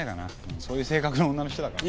そういう性格の女の人だから。